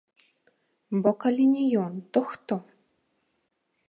Бо калі не ён, то хто?